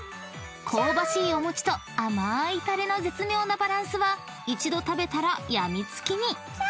［香ばしいお餅と甘ーいたれの絶妙なバランスは一度食べたら病みつきに！］